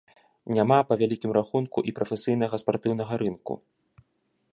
Няма, па вялікім рахунку, і прафесійнага спартыўнага рынку.